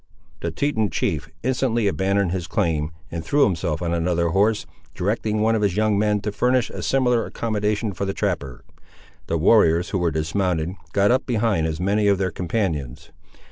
The Teton chief instantly abandoned his claim, and threw himself on another horse, directing one of his young men to furnish a similar accommodation for the trapper. The warriors who were dismounted, got up behind as many of their companions.